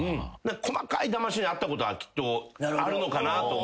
細かいだましに遭ったことはきっとあるのかなと思うんですよ。